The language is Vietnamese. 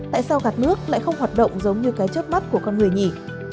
tại sao gạt nước lại không hoạt động giống như cái trước mắt của con người nhỉ